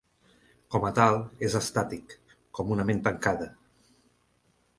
Com a tal, és estàtic, com una ment tancada.